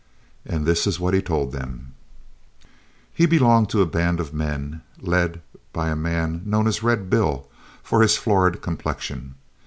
And this is what he told them: He belonged to a band led by a man known as "Red Bill" from his florid complexion.